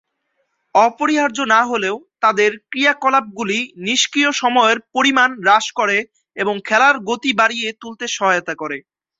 অপরিহার্য না হলেও, তাদের ক্রিয়াকলাপগুলি নিষ্ক্রিয় সময়ের পরিমাণ হ্রাস করে এবং খেলার গতি বাড়িয়ে তুলতে সহায়তা করে।